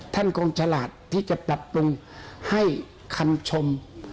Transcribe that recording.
ท่านคงฉลาดที่จะปรับปรุงให้คำชม